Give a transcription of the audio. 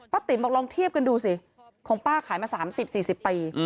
ติ๋มบอกลองเทียบกันดูสิของป้าขายมา๓๐๔๐ปี